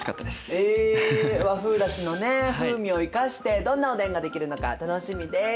え和風だしのね風味を生かしてどんなおでんが出来るのか楽しみです。